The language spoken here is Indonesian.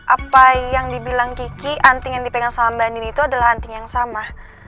apa yang dibilang kiki anting yang dipegang sama mbak nini itu adalah anting yang sama